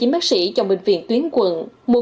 ba mươi chín bác sĩ chọn bệnh viện tuyến quận